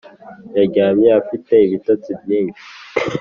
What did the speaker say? yaryamye afite ibitotsi byinshi